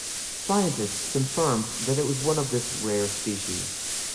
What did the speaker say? Scientists confirmed that it was one of this rare species.